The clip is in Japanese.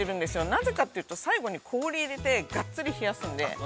なぜかというと、最後に氷を入れて、がっつり冷やすんで。